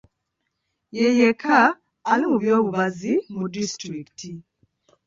Ye yekka ali mu by'obubazzi mu disitulikiti.